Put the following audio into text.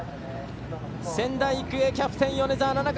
仙台育英キャプテン米澤奈々香